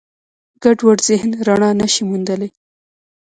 ګډوډ ذهن رڼا نهشي موندلی.